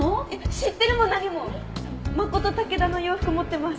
知ってるも何もマコトタケダの洋服持ってます。